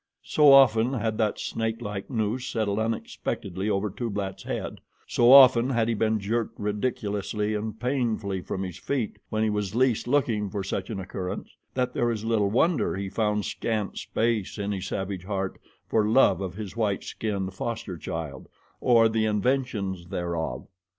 So often had that snakelike noose settled unexpectedly over Tublat's head, so often had he been jerked ridiculously and painfully from his feet when he was least looking for such an occurrence, that there is little wonder he found scant space in his savage heart for love of his white skinned foster child, or the inventions thereof.